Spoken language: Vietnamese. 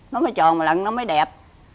nó mới tròn mà lận nó mới đẹp